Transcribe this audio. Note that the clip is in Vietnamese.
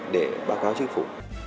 để báo cáo chức phủ